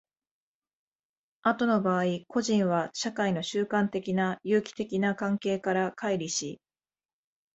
後の場合、個人は社会の習慣的な有機的な関係から乖離し、